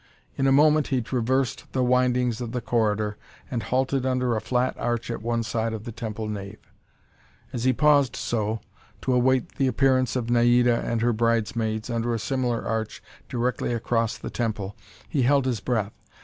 In a moment he traversed the windings of the corridor, and halted under a flat arch at one side of the temple nave. As he paused so, to await the appearance of Naida and her bridesmaids under a similar arch directly across the temple, he held his breath.